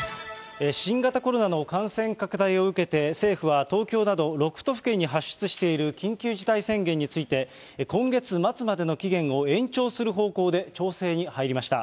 新型コロナの感染拡大を受けて、政府は東京など、６都府県に発出している緊急事態宣言について、今月末までの期限を延長する方向で調整に入りました。